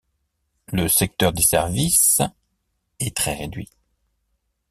Le secteur des services: est très réduit.